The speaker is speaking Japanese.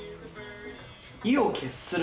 意を決する。